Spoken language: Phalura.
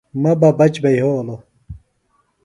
مہ بہ بچ بھےۡ یھولوۡ